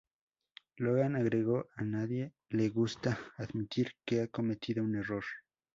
Logan agregó: "A nadie le gusta admitir que ha cometido un error.